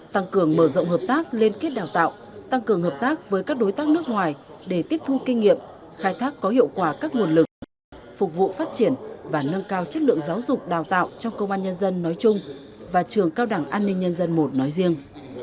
tăng cường mở rộng hợp tác liên kết đào tạo tăng cường hợp tác với các đối tác nước ngoài để tiếp thu kinh nghiệm khai thác có hiệu quả các nguồn lực phục vụ phát triển và nâng cao chất lượng giáo dục đào tạo trong công an nhân dân nói chung và trường cao đẳng an ninh nhân dân i nói riêng